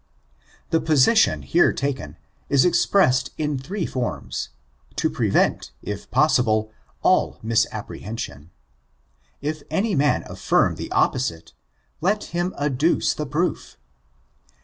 Thb position here taken, is expressed in three forms, to prevent, if possible, all misapprehension. If any man affirm the opposite, let him adduce the proof.